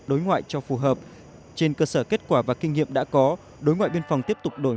đối ngoại cho phù hợp trên cơ sở kết quả và kinh nghiệm đã có đối ngoại biên phòng tiếp tục đổi